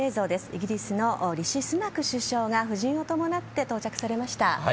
イギリスのリシ・スナク首相が夫人を伴って到着されました。